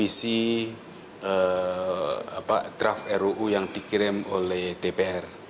isi draft ruu yang dikirim oleh dpr